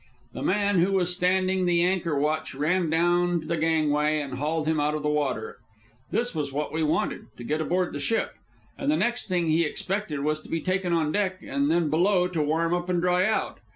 The man who was standing the anchor watch ran down the gangway and hauled him out of the water. This was what he wanted, to get aboard the ship; and the next thing he expected was to be taken on deck and then below to warm up and dry out.